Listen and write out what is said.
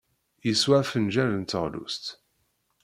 Yeswa afenjal n teɣlust.